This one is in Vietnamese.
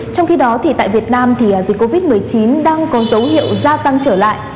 trong khi đó thì tại việt nam thì dịch covid một mươi chín đang có dấu hiệu gia tăng trở lại